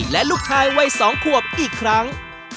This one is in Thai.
และลูกชายวัย๒ขวบอีกครั้ง